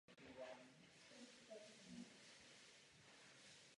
Křižáci táhli podél středomořského pobřeží a setkávali se jen s minimálním odporem.